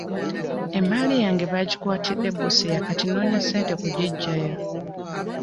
Emmaali yange bagikwatidde e Busia kati noonya ssente kugiggyayo.